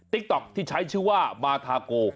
ต๊อกที่ใช้ชื่อว่ามาทาโก